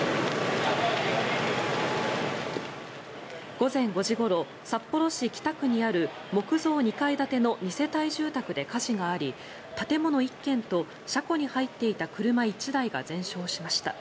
午前５時ごろ札幌市北区にある木造２階建ての２世帯住宅で火事があり建物１軒と車庫に入っていた車１台が全焼しました。